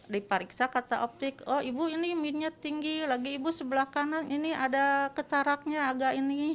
di periksa kata optik oh ibu ini minyak tinggi lagi ibu sebelah kanan ini ada kataraknya agak ini